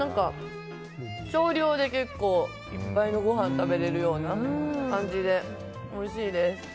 少量で結構、いっぱいのご飯を食べれるような感じでおいしいです。